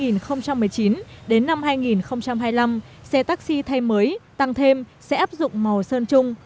từ năm hai nghìn một mươi chín đến năm hai nghìn hai mươi năm xe taxi thay mới tăng thêm sẽ áp dụng màu sơn chung